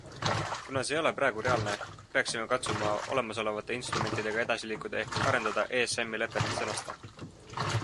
Kuna see ei ole praegu reaalne, peaksime katsuma olemasolevate instrumentidega edasi liikuda ehk arendada ESM-i lepet, sõnas ta.